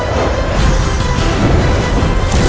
aku akan menyelamatkan kau